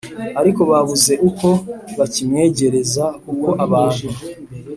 ariko babuze uko bakimwegereza kuko abantu